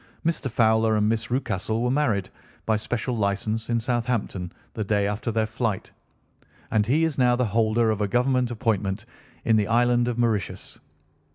Mr. Fowler and Miss Rucastle were married, by special license, in Southampton the day after their flight, and he is now the holder of a government appointment in the island of Mauritius.